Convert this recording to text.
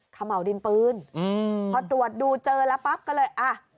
ขม่าวดินปืนอืมพอตรวจดูเจอแล้วปั๊บก็เลยอ่ะ